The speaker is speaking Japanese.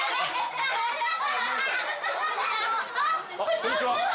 こんにちは。